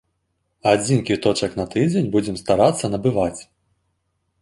Адзін квіточак на тыдзень будзем старацца набываць.